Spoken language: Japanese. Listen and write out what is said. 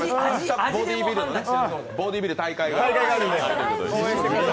ボディビルの大会があるということで。